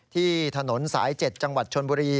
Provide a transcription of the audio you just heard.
ที่ถนนสาย๗จังหวัดชนบุรี